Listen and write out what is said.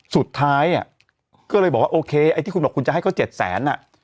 สุดท้ายก็เลยบอกว่าโอเคไอ้ที่คุณบอกคุณจะให้เขา๗แสน